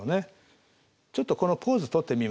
ちょっとこのポーズとってみましょうか。